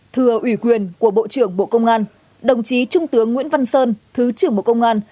thưa ủy quyền của bộ trưởng bộ công an đồng chí trung tướng nguyễn văn sơn thứ trưởng bộ công an